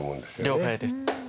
了解です。